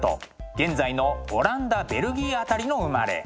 現在のオランダベルギー辺りの生まれ。